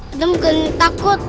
adem geli takut